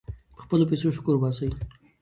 په خپلو پیسو شکر وباسئ.